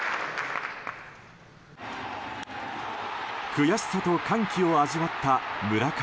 悔しさと歓喜を味わった村上。